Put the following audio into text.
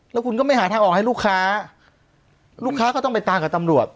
แล้วคุณก็ไม่หาทางออกให้ลูกค้าลูกค้าก็ต้องไปตามกับตำรวจ